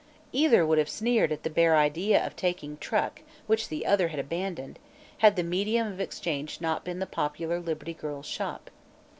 Either would have sneered at the bare idea of taking "truck" which the other had abandoned, had the medium of exchange not been the popular Liberty Girls' Shop.